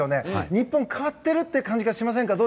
日本、変わっている感じしませんか。